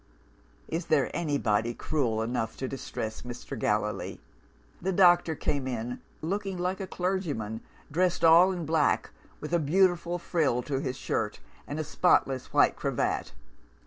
"Is there anybody cruel enough to distress Mr. Gallilee? The doctor came in looking like a clergyman; dressed all in black, with a beautiful frill to his shirt, and a spotless white cravat.